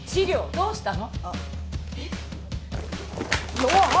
どうしたの？